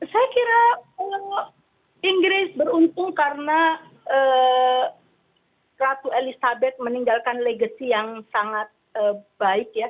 saya kira inggris beruntung karena ratu elizabeth meninggalkan legacy yang sangat baik ya